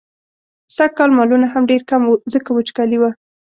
سږکال مالونه هم ډېر کم وو، ځکه وچکالي وه.